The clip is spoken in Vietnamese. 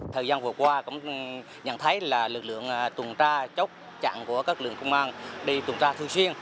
thời gian vừa qua cũng nhận thấy là lực lượng tuần tra chốt chặn của các lượng công an đi tuần tra thường xuyên